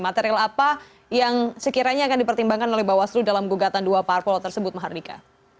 material apa yang sekiranya akan dipertimbangkan oleh bawaslu dalam gugatan dua parpol tersebut mahardika